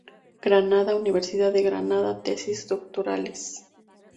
Granada, Universidad de Granada, Tesis Doctorales.